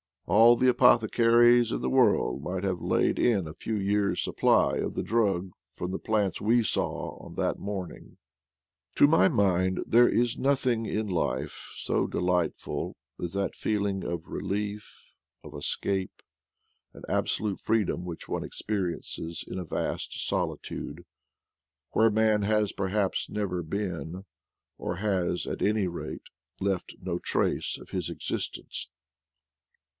All the apothecaries in the world might have laid in a few years' supply of the drug from the plants we saw on that morn ing. To my mind there is nothing in life so delightful as that feeling of relief, of escape, and absolute freedom which one experiences in a vast solitude, where man has perhaps never been, and has, at any rate, left no trace of his existence.